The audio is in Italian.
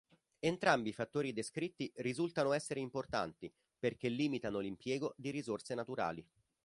Entrambi i fattori descritti risultano essere importanti perché limitano l'impiego di risorse naturali.